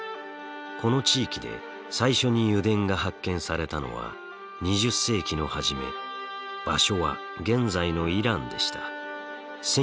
この地域で最初に油田が発見されたのは２０世紀の初め場所は現在のイランでした。